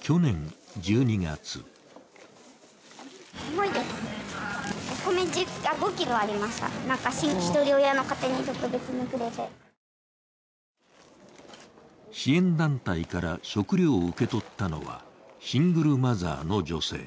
去年１２月支援団体から食料を受け取ったのはシングルマザーの女性。